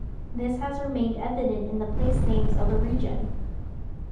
This has remained evident in the place names of the region.